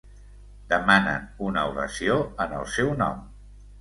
Demanen una oració en el seu nom.